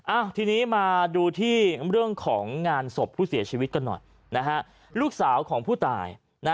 ทีนี้มาดูที่เรื่องของงานศพผู้เสียชีวิตกันหน่อยนะฮะลูกสาวของผู้ตาย